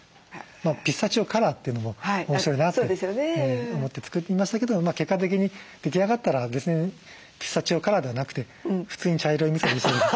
ピスタチオカラーというのも面白いなって思って作りましたけど結果的に出来上がったら別にピスタチオカラーではなくて普通に茶色いみそでしたけども。